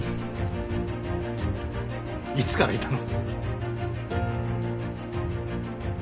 いつからいたの？